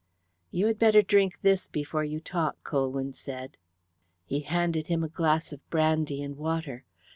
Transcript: "You had better drink this before you talk," Colwyn said. He handed him a glass of brandy and water.